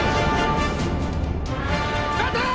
待て！！